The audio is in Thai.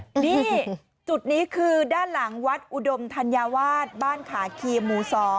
นี่จุดนี้คือด้านหลังวัดอุดมธัญวาสบ้านขาคีหมู่๒